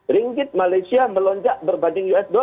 ringgit malaysia melonjak berbanding usd